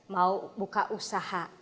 mau buka usaha